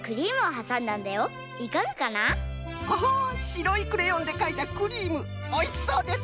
しろいクレヨンでかいたクリームおいしそうですこと！